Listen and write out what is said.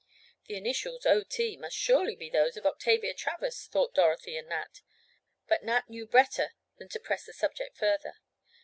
The initials, O. T., must surely be those of Octavia Travers thought Dorothy and Nat. But Nat knew better than to press the subject further.